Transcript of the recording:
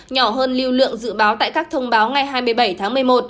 nhỏ hơn lưu lượng dự báo tại các thông báo ngày hai mươi bảy tháng một mươi một